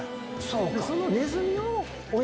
そうか。